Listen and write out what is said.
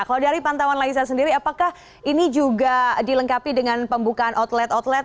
kalau dari pantauan laisa sendiri apakah ini juga dilengkapi dengan pembukaan outlet outlet